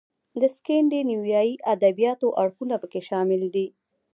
د سکینډینیویايي ادبیاتو اړخونه پکې شامل دي.